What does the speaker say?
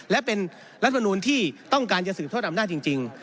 และเป็นรัฐมนูลที่ต้องการจะสืบทอดอำนาจจริง